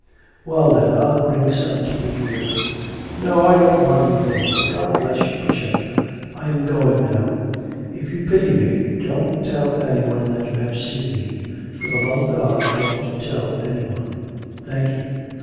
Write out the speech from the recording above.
'Well then, I'll bring some to you here.' 'No, I don't want anything. God bless you, Pashenka! I am going now. If you pity me, don't tell anyone that you have seen me. For the love of God don't tell anyone. Thank you.